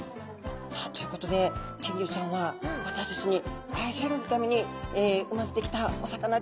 さあということで金魚ちゃんは私たちに愛されるために生まれてきたお魚です。